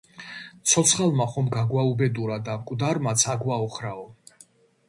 ცოცხალმა ხომ გაგვაუბედურა და მკვდარმაც აგვაოხრაო!